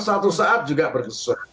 satu saat juga berkesan